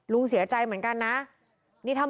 ลุงวิชัยก็ยืนยันพี่หุย